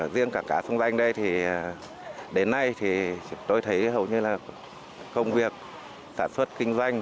riêng cảng cá sông danh đây thì đến nay thì tôi thấy hầu như là công việc sản xuất kinh doanh